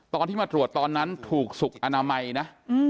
ตอนที่มาตรวจตอนนั้นถูกสุขอนามัยนะ